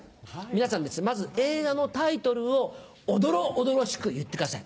皆さんまず映画のタイトルをおどろおどろしく言ってください。